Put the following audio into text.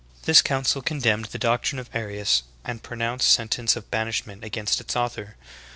This council condemned the doctrine of Arius, and pronounced sentence of banishment against its author.